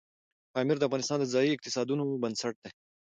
پامیر د افغانستان د ځایي اقتصادونو بنسټ دی.